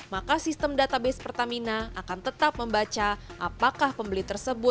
maka sistem database pertamina akan tetap membaca apakah pembeli tersebut